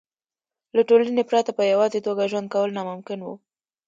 له ټولنې پرته په یوازې توګه ژوند کول ناممکن وو.